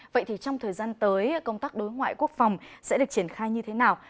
vậy thì trong thời gian tới công tác đối ngoại quốc phòng sẽ được triển khai như thế nào